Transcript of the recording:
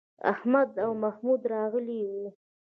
احمد او محمد راغلي وو.